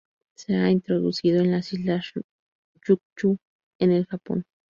Se ha introducido en la Islas Ryukyu en el Japón.